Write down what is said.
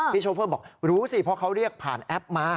โชเฟอร์บอกรู้สิเพราะเขาเรียกผ่านแอปมา